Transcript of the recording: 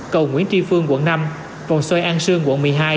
cầu nguyễn tri phương quận năm vòng xoay an sương quận một mươi hai